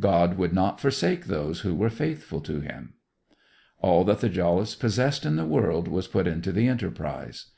God would not forsake those who were faithful to him. All that the Jolliffes possessed in the world was put into the enterprise.